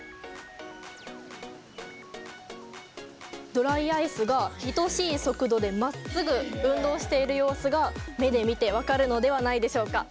ドライアイスが等しい速度でまっすぐ運動している様子が目で見て分かるのではないでしょうか。